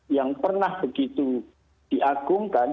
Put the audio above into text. yang pernah begitu diagungkan